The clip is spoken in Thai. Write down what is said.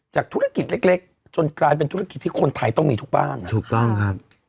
ธุรกิจเล็กเล็กจนกลายเป็นธุรกิจที่คนไทยต้องมีทุกบ้านอ่ะถูกต้องครับ